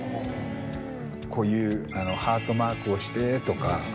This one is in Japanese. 「こういうハートマークをして」とか。